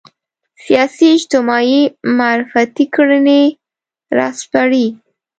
سیاسي اجتماعي معرفتي کړنې راسپړي